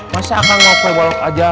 masya allah kang mau ke balok aja